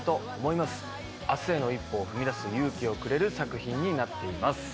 明日への一歩を踏み出す勇気をくれる作品になってます。